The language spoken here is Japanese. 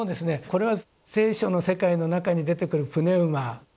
これは「聖書」の世界の中に出てくるプネウマ。